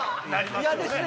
嫌ですね！